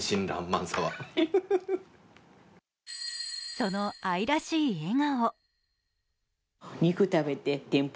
その愛らしい笑顔。